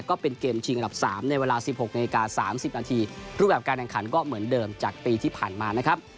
ก็เป็นเกมชิงอันดับสามในเวลาสิบหกนาฬิกาสามสิบนาทีรูปแบบการแรงขันก็เหมือนเดิมจากปีที่ผ่านมานะครับ